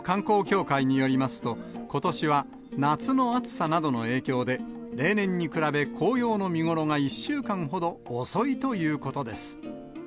地元の観光協会によりますと、ことしは夏の暑さなどの影響で、例年に比べ、紅葉の見頃が１週間ほど遅いということです。